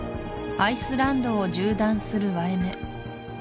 アイスランドを縦断する割れ目